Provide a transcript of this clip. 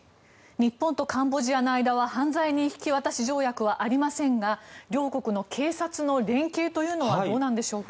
日本とカンボジアの間は犯罪人引渡し条約はありませんが両国の警察の連携というのはどうなんでしょうか。